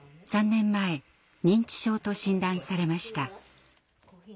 ３年前認知症と診断されました。